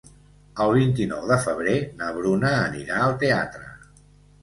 El vint-i-nou de febrer na Bruna anirà al teatre.